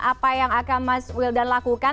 apa yang akan mas wildan lakukan